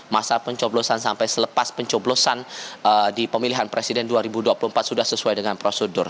masa pencoblosan sampai selepas pencoblosan di pemilihan presiden dua ribu dua puluh empat sudah sesuai dengan prosedur